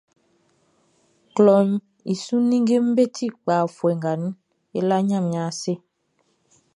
Klɔʼn i su ninngeʼm be ti kpa afuɛ nga nun, e la Ɲanmiɛn ase.